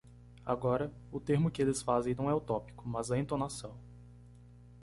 Agora, o termo que eles fazem não é o tópico, mas a "entonação".